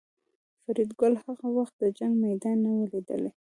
فریدګل هغه وخت د جنګ میدان نه و لیدلی